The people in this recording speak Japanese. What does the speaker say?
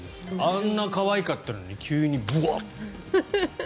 あんな可愛かったのに急にぶおっ。